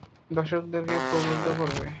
দর্শকদেরকে প্রলুব্ধ করবে।